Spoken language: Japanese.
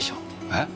えっ？